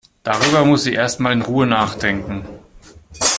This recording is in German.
Darüber muss sie erst mal in Ruhe nachdenken.